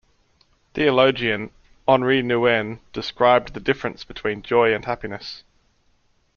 Theologian Henri Nouwen described the difference between joy and happiness.